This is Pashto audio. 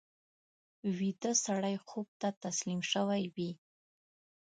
ویده سړی خوب ته تسلیم شوی وي